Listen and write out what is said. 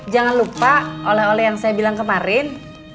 jangan lupa oleh oleh yang saya bilang kemarin